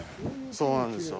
そうなんですよ。